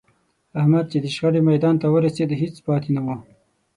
احمد چې د شخړې میدان ته ورسېد، هېڅ پاتې نه و.